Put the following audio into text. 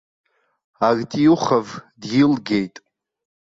Артиухов дилгеит.